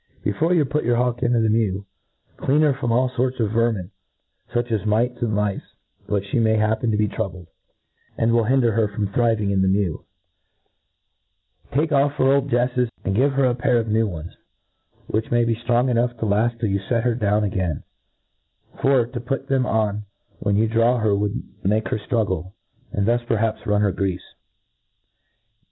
BEFORE you put your hawk into the mew, clean her from all forts of vermin, fuch as mites and lice, with which fhe may happen jto be troubled, and will lunder her from thri ving f9(f A T R E A T I S E OF ving in the mew. Take off her old jcffes, and give her a pair of new ones, which may be ftrong enough to laft till you fet her down a gain ; for to put them on when you draw her would make her ftruggle, and thus perhaps run her grcafe.